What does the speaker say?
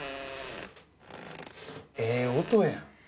ええ音やん。